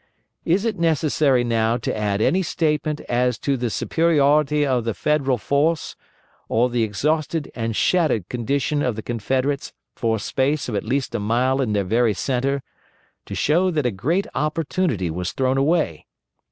Is it necessary now to add any statement as to the superiority of the Federal force, or the exhausted and shattered condition of the Confederates for a space of at least a mile in their very centre, to show that a great opportunity was thrown away?